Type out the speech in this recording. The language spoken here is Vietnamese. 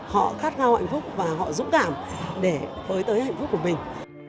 họ khát khao hạnh phúc và họ dũng cảm để phới tới hạnh phúc của mình